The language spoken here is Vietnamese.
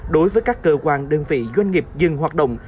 đối với các cơ quan đơn vị doanh nghiệp dừng hoạt động